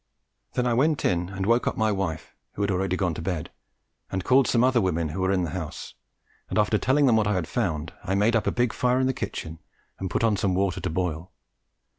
Then I went in and woke up my wife, who had already gone to bed, and called some other women who were in the house, and after telling them what I had found, I made up a big fire in the kitchen and put on some water to boil.